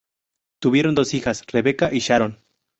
Tuvieron dos hijas, Rebecca y Sharon.